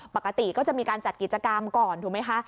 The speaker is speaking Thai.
ปกติก็จะมีการจัดกิจกรรมก่อนถูกไหมคะ